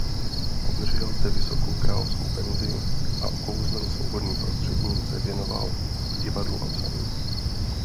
Obdržel zde vysokou královskou penzi a okouzlen svobodným prostředím se věnoval divadlu a psaní.